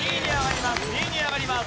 ２位に上がります。